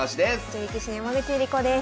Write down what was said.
女流棋士の山口恵梨子です。